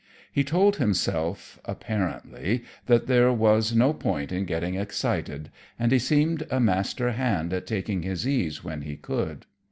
He told himself, apparently, that there was no point in getting excited; and he seemed a master hand at taking his ease when he could.